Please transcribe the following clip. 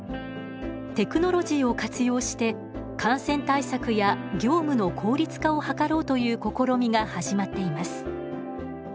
テクノロジーを活用して感染対策や業務の効率化を図ろうという試みが始まっています。